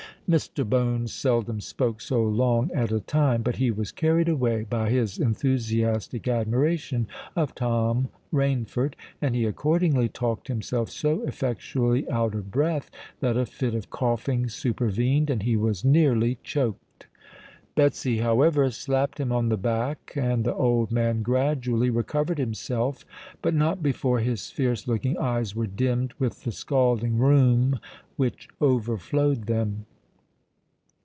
Mr. Bones seldom spoke so long at a time; but he was carried away by his enthusiastic admiration of Tom Rainford; and he accordingly talked himself so effectually out of breath, that a fit of coughing supervened, and he was nearly choked. Betsy, however, slapped him on the back; and the old man gradually recovered himself—but not before his fierce looking eyes were dimmed with the scalding rheum which overflowed them.